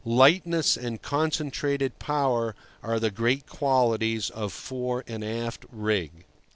Lightness and concentrated power are the great qualities of fore and aft rig.